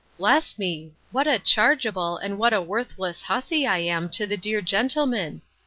Bless me! what a chargeable and what a worthless hussy I am to the dear gentleman!